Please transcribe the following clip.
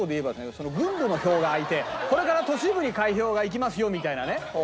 郡部の票が開いてこれから都市部に開票がいきますよみたいなね。